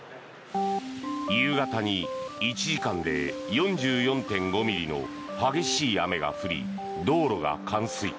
夕方に１時間で４４．５ミリの激しい雨が降り、道路が冠水。